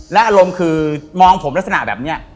และอารมณ์คือมองผมลักษณะแบบนี้